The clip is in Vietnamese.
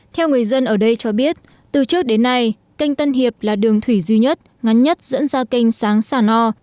theo người dân ở đây cho biết từ trước đến nay canh tân hiệp là đường thủy duy nhất ngắn nhất dẫn ra kênh sáng xà no